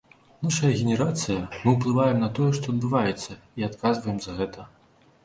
Нашая генерацыя, мы уплываем на тое, што адбываецца, і адказваем за гэта.